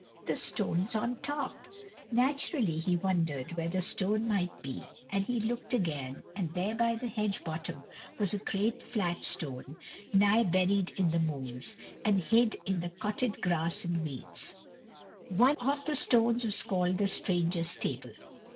the stones on top!" Naturally he wondered where the stone might be, and he looked again, and there by the hedge bottom was a great flat stone, nigh buried in the mools, and hid in the cotted grass and weeds. One of the stones was called the "Strangers' Table."